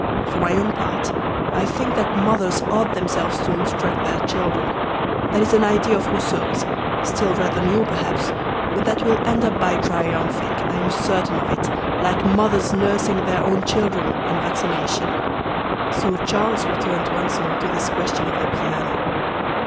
For my own part, I think that mothers ought themselves to instruct their children. That is an idea of Rousseau's, still rather new perhaps, but that will end by triumphing, I am certain of it, like mothers nursing their own children and vaccination." So Charles returned once more to this question of the piano.